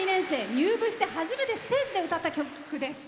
入部して初めてステージで歌った曲です。